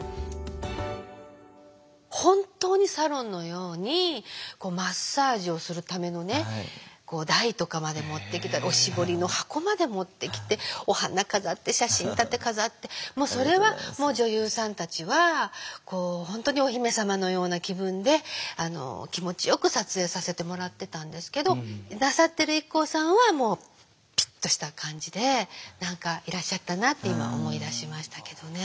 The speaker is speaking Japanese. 本当にサロンのようにマッサージをするためのね台とかまで持ってきておしぼりの箱まで持ってきてお花飾って写真立て飾ってもうそれは女優さんたちは本当になさってるＩＫＫＯさんはピッとした感じで何かいらっしゃったなって今思い出しましたけどね。